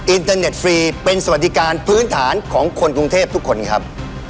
อินเทอร์เน็ตฟรีเป็นสวัสดิการพื้นฐานของคนกรุงเทพทุกคนครับ